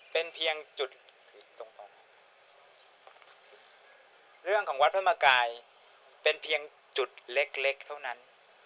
เป็นเพียงจุดตรงตรงเรื่องของวัดพระธรรมกายเป็นเพียงจุดเล็กเล็กเท่านั้น